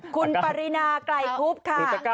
คุณปรินาไกลคุบค่ะ